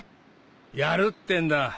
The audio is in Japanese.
やるってんだ